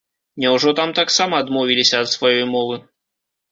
Няўжо там таксама адмовіліся ад сваёй мовы?